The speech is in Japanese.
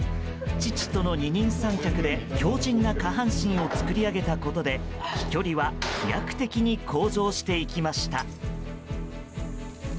父との二人三脚で強靭な下半身を作り上げたことで飛距離は飛躍的に向上していきました。